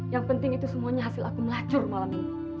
yang penting itu semuanya hasil aku melajur malam ini